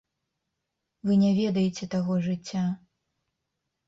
Вы не ведаеце таго жыцця.